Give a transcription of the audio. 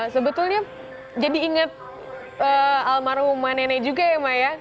sebetulnya jadi inget almarhumnua nenek juga ya ma